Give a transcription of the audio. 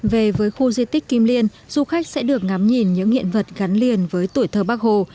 về với khu di tích kim liên du khách sẽ được ngắm nhìn những nghiện vật gắn liền với tuổi thờ bác hồ